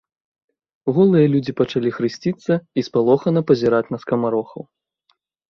Голыя людзі пачалі хрысціцца і спалохана пазіраць на скамарохаў.